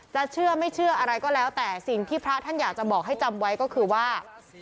เชื่อไม่เชื่ออะไรก็แล้วแต่สิ่งที่พระท่านอยากจะบอกให้จำไว้ก็คือว่า